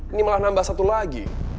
ini malah nambah satu lagi